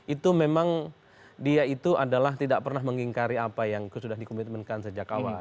itu memang dia itu adalah tidak pernah mengingkari apa yang sudah dikomitmenkan sejak awal